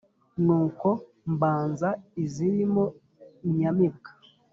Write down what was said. nuko mbanza izirimo inyamibwa